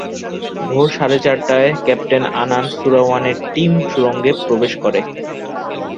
ভোর প্রায় সাড়ে চারটায় ক্যাপ্টেন আনান সুরাওয়ানের টিম সুড়ঙ্গে প্রবেশ করে।